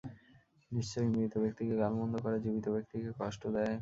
নিশ্চয় মৃত ব্যক্তিকে গালমন্দ করা জীবিত ব্যক্তিকে কষ্ট দেয়।